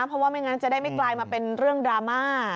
เพราะว่าไม่งั้นจะได้ไม่กลายมาเป็นเรื่องดราม่า